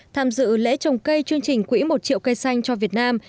tham dự lễ trồng cây chương trình quỹ một triệu cây xanh cho việt nam